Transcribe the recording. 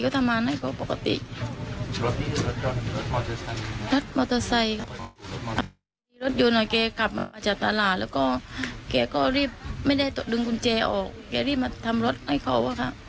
ถ้ามาไม่ได้ตกดึงกุญแจออกเดี๋ยวรีบมาทำรถไว้ให้เขาค่ะ